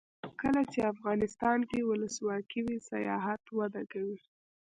کله چې افغانستان کې ولسواکي وي سیاحت وده کوي.